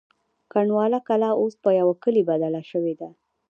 کنډواله کلا اوس په یوه کلي بدله شوې ده.